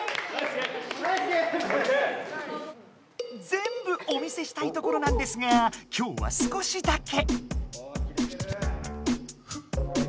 ぜんぶお見せしたいところなんですが今日は少しだけ。